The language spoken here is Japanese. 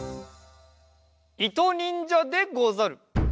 いとにんじゃでござる！